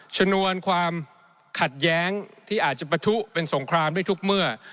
ชนวนความขัดแย้งที่อาจจะประทุเป็นสงครามได้ทุกเมื่อ